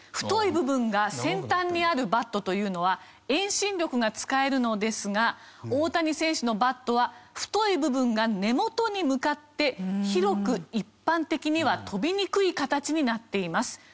太い部分が先端にあるバットというのは遠心力が使えるのですが大谷選手のバットは太い部分が根元に向かって広く一般的には飛びにくい形になっています。